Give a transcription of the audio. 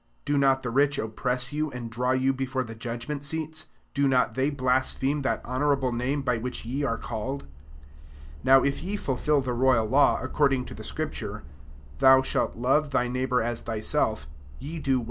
Do not the rich oppress you, and draw you before the judg ment seats ? 7 Do not they blas pheme that honourable name by which ye are called I 8 Now if ye fulfil the rcfyal law according to the scriptare, " Thou shalt love thy neigh bour as thyself," ye do wd!